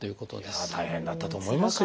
いやあ大変だったと思いますよ。